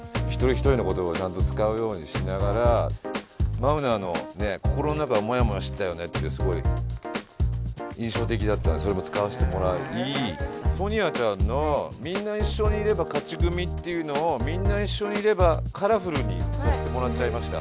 マウナの「心の中はモヤモヤしてたよね」ってすごい印象的だったのでそれも使わせてもらいソニアちゃんの「みんな一緒にいれば勝ち組」っていうのを「みんな一緒にいればカラフル」にさせてもらっちゃいました。